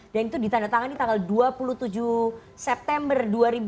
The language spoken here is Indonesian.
dan itu ditandatangani tanggal dua puluh tujuh september dua ribu dua puluh tiga